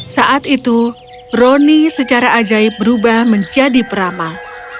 saat itu roni secara ajaib berubah menjadi peramah